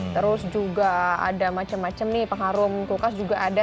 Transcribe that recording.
terus juga ada macam macam nih pengharum kulkas juga ada